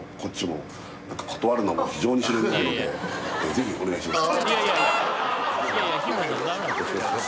是非お願いします